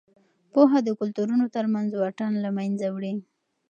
پوهه د کلتورونو ترمنځ واټن له منځه وړي.